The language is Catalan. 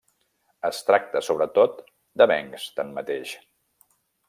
Es tracta, sobretot, d'avencs, tanmateix.